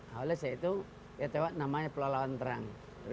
hal itu namanya pelawan terang dua ribu sebelas